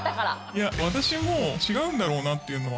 「いや私も違うんだろうなっていうのは」